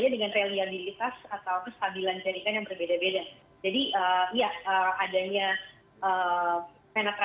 dengan tersebut saja dengan reliability tas atau kestabilan jenisnya yang berbeda beda